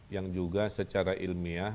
yang juga secara ilmiah